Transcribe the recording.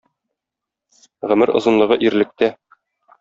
Гомер озынлыгы ирлектә.